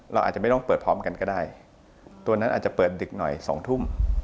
เราอาจจะไม่ต้องเปิดพร้อมกันก็ได้ตัวนั้นอาจจะเปิดดึกหน่อย๒ทุ่ม